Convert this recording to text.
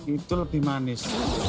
itu lebih manis